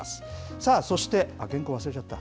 さあ、そして、原稿忘れちゃった。